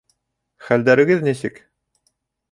Хәлдәрегеҙ нисек?